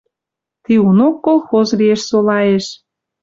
Тиунок колхоз лиэш солаэш